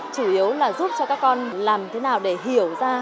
chủ yếu là giúp cho các con làm thế nào để hiểu ra